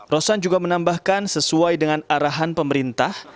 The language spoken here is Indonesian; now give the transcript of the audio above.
rosan juga menambahkan sesuai dengan arahan pemerintah